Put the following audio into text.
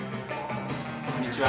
こんにちは。